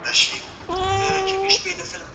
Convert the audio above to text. ایا ځايي کروندګر وچ زردالو ساتي؟